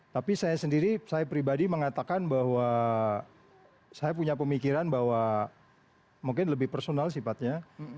tapi saya sendiri saya pribadi mengatakan bahwa saya punya pemikiran bahwa mungkin lebih personal sifatnya